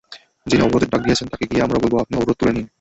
যিনি অবরোধের ডাক দিয়েছেন, তাঁকে গিয়ে আমরা বলব, আপনি অবরোধ তুলে নিন।